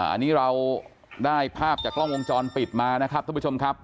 อันนี้เราได้ภาพจากกล้องวงจรปิดมานะครับท่านผู้ชมครับ